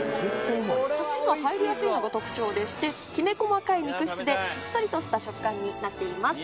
サシが入りやすいのが特徴でしてきめ細かい肉質でしっとりとした食感になっています。